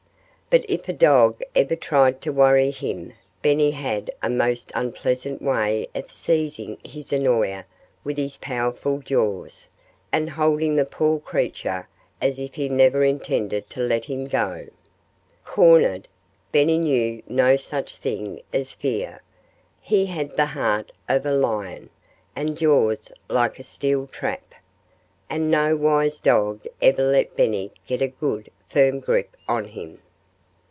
But if a dog ever tried to worry him Benny had a most unpleasant way of seizing his annoyer with his powerful jaws and holding the poor creature as if he never intended to let him go. Cornered, Benny knew no such thing as fear. He had the heart of a lion, and jaws like a steel trap. And no wise dog ever let Benny get a good, firm grip on him.